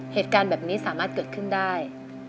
เหตุการณ์แบบนี้สามารถเกิดขึ้นได้